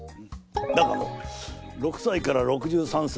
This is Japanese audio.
だがのう６歳から６３歳